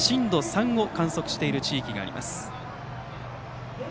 震度３を観測している地域があります。